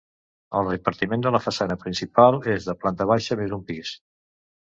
El repartiment de la façana principal és de planta baixa més un pis.